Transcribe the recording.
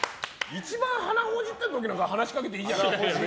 一番、鼻ほじってる時なんか話しかけていいじゃない。